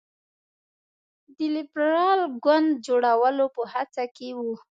د لېبرال ګوند جوړولو په هڅه کې وو.